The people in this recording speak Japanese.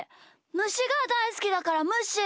むしがだいすきだからむっしー！